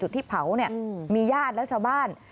จุดที่เผามีญาติและชาวบ้าน